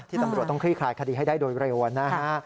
ที่ตำรวจต้องคลี่ขายคดีให้ได้โดยระยวน